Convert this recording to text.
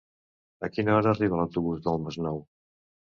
A quina hora arriba l'autobús del Masnou?